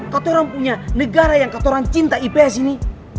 katorang punya negara yang katorang cinta ips ini